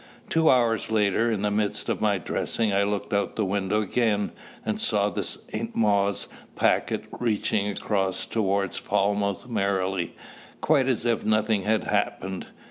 Two hours later, in the midst of my dressing, I looked out of the window again, and I saw the St. Mawes packet reaching across towards Falmouth merrily, quite as if nothing had happened.